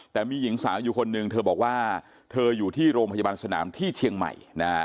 แต่มีหญิงสาวอยู่คนหนึ่งเธอบอกว่าเธออยู่ที่โรงพยาบาลสนามที่เชียงใหม่นะฮะ